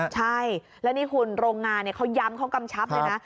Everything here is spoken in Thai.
ใช่แล้วนี่คุณโรงงานเขาย้ำเขากำชับเลยนะ